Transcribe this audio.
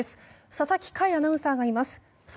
佐々木快アナウンサーがいます。